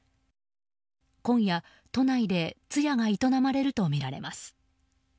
今夜、都内で通夜が営まれるとみられます。